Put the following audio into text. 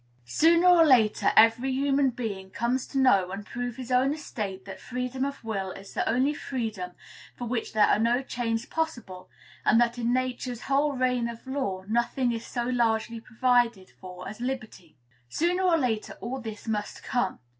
Sooner or later, every human being comes to know and prove in his own estate that freedom of will is the only freedom for which there are no chains possible, and that in Nature's whole reign of law nothing is so largely provided for as liberty. Sooner or later, all this must come.